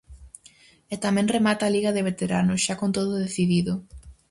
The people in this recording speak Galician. E tamén remata a liga de veteranos, xa con todo decidido.